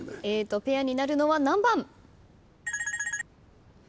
Ａとペアになるのは何番？